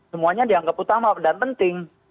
semuanya dianggap utama dan penting